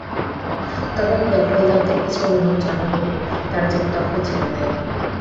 তবে আমি দখলদারদের কাছে অনুরোধ জানাব তাঁরা যেন দখল ছেড়ে দেন।